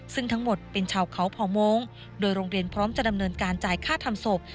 ซึ่งทั้งหมดเป็นชาวเขาเผ่าโม้งโดยโรงเรียนพร้อมจะดำเนินการจ่ายค่าทำศพ